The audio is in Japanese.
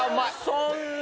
そんな。